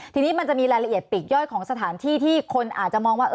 ทีนี้มันจะมีรายละเอียดปีกย่อยของสถานที่ที่คนอาจจะมองว่า